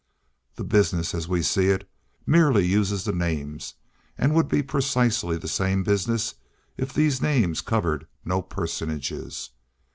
The business, as we see it, merely uses the names, and would be precisely the same business if these names covered no personages.